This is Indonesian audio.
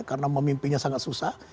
karena memimpinnya sangat susah